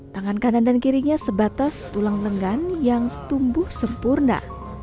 tangan kanan dan kirinya sebatas tulang lengan yang tumbuh sempurna